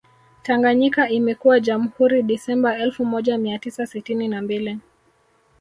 tanganyika imekuwa jamhuri disemba elfu moja mia tisa sitini na mbili